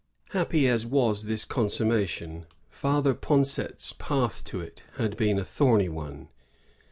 Happy as was this consummation. Father Poncet's path to it had been a thorny one.